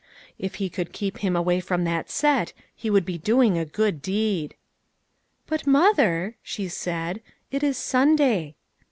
If he could keep him away from that set, he would be doing a good deed." "But, mother," she said, "it is Sunday."